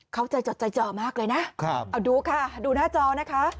เขาใจจดใจจ่อมากเลยนะเอาดูค่ะดูหน้าจอนะคะ